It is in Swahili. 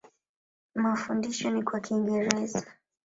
Mafundisho ni kwa Kiingereza.